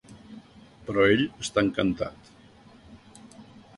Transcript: Però ell està encantat.